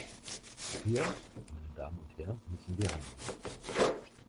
Hier, meine Damen und Herren, müssen wir handeln.